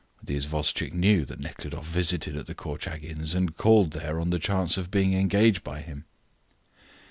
'" The isvostchik knew that Nekhludoff visited at the Korchagins, and called there on the chance of being engaged by him.